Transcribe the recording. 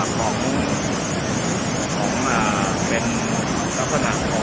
ของของอ่าเป็นสถานกของ